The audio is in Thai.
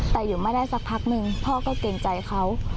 แต่อยู่ไม่ได้สักพักหนึ่งพ่อก็เกรงใจเขา